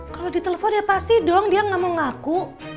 kalo ditelepon ya pasti dong dia gak mau ngaku